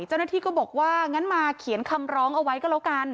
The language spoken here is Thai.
เจ้าหน้าที่ก็บอกว่างั้นมาเขียนคำร้องเอาไว้ก็แล้วกัน